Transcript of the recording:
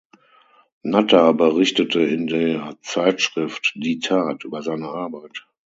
Natter berichtete in der Zeitschrift "Die Tat" über seine Arbeit.